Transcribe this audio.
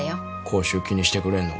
口臭気にしてくれんのが？